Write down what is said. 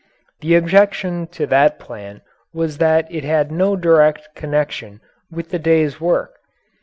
The objection to that plan was that it had no direct connection with the day's work.